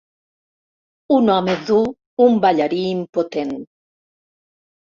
Un home dur, un ballarí impotent.